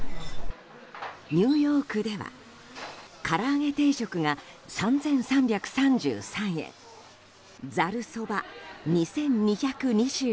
ニューヨークではから揚げ定食が３３３３円ざるそば、２２２２円。